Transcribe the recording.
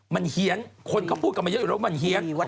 มันเฮียนคนเขาพูดกันมาเยอะอยู่แล้วมันเฮียน